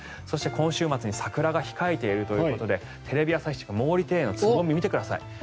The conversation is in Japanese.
そして今週末に桜が控えているということでテレビ朝日の毛利庭園のつぼみを見てみてください。